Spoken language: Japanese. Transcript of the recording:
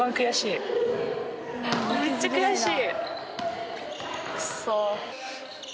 めっちゃ悔しい。